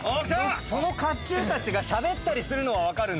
その甲冑たちがしゃべったりするのは分かるんです。